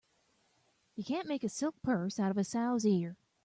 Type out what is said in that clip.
You can't make a silk purse out of a sow's ear.